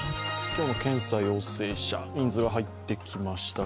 今日の検査陽性者、人数が入ってきました。